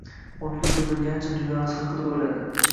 O`rniga cho`zilgancha dugonasi haqida o`yladi